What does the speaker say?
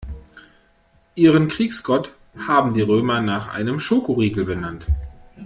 Ihren Kriegsgott haben die Römer nach einem Schokoriegel benannt.